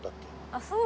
あっそう？